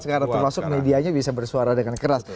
sekarang termasuk medianya bisa bersuara dengan keras